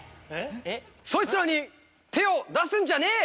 そいつらに手を出すんじゃねえ！